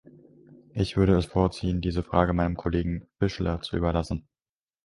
Ich würde es vorziehen, diese Fragen meinem Kollegen Fischler zu überlassen.